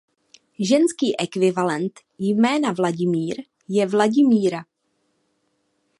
Ženský ekvivalent jména Vladimír je Vladimíra.